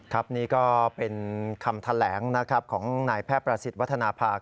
ครับนี่ก็เป็นคำแถลงนะครับของนายแพทย์ประสิทธิ์วัฒนภา